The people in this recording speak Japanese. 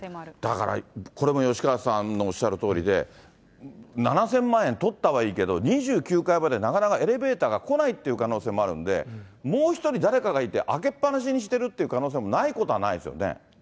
だから、これも吉川さんのおっしゃるとおりで、７０００万円とったはいいけど、２９階までなかなかエレベーターが来ないっていう可能性もあるんで、もう１人誰かがいて、開けっぱなししてるという可能性もないことはないですよね。